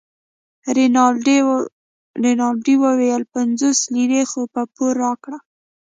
رینالډي وویل پنځوس لیرې خو په پور راکړه.